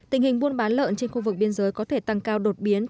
tình hình buôn bán lợn trên khu vực biên giới có thể tăng cao đột biên giới